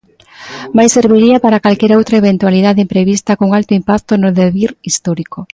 Mais serviría para calquera outra eventualidade imprevista cun alto impacto no devir histórico.